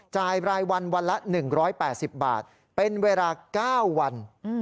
รายวันวันละ๑๘๐บาทเป็นเวลา๙วัน